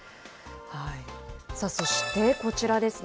そして、こちらですね。